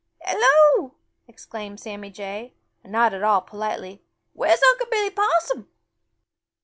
"Hello!" exclaimed Sammy Jay, not at all politely. "Where's Uncle Billy Possum?"